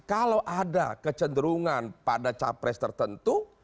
kalau ada kecenderungan pada capres tertentu